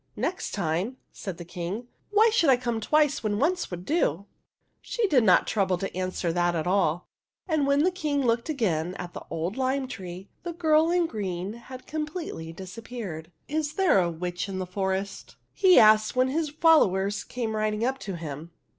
" Next time ?" said the King. " Why should I come twice when once would do ?'* She did not trouble to answer that at all ; and when the King looked again at the old lime tree, the girl in green had completely disappeared. " Is there a witch in the forest?" he asked, when his followers came riding up to him.